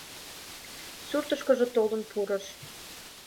Суртышкыжо толын пурыш.